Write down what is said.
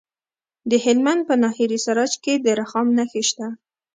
د هلمند په ناهري سراج کې د رخام نښې شته.